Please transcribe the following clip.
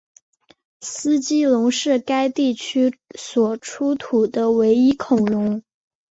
斯基龙是该地区所出土的唯一恐龙。